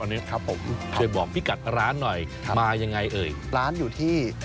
ตอนนี้ครับผมช่วยบอกพี่กัดร้านหน่อยมายังไงเอ่ยร้านอยู่ที่